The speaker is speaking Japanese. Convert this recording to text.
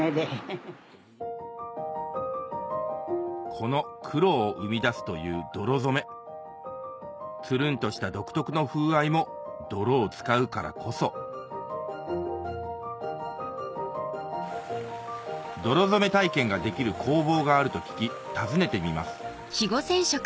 この黒を生み出すという泥染めツルンとした独特の風合いも泥を使うからこそ泥染め体験ができる工房があると聞き訪ねてみます